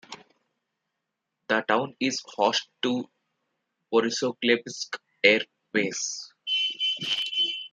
The town is host to Borisoglebsk air base.